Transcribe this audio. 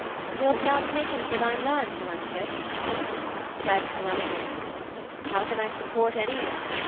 Wilt thou take him for thy man, Telemachus?' Said Telemachus, 'How can I support any man?